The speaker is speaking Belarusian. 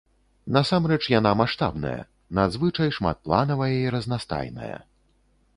Насамрэч яна маштабная, надзвычай шматпланавая і разнастайная.